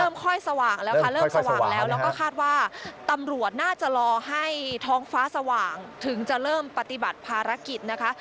ค่อยสว่างแล้วค่ะเริ่มสว่างแล้วแล้วก็คาดว่าตำรวจน่าจะรอให้ท้องฟ้าสว่างถึงจะเริ่มปฏิบัติภารกิจนะคะ